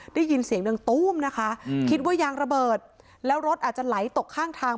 ได้ยินเสียงหนึ่งตู้มนะคะคิดว่ายางระเบิดแล้วรถอาจจะไหลตกข้างทาง